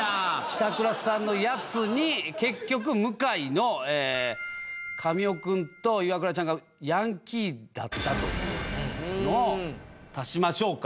板倉さんのやつに結局向井のええ神尾くんとイワクラちゃんがヤンキーだったというのを足しましょうか？